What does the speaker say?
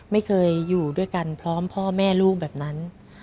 ไม่เคยอยู่ด้วยกันพร้อมพ่อแม่ลูกแบบนั้น